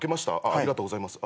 ありがとうございます。